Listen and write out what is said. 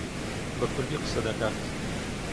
بە کوردی قسە دەکات.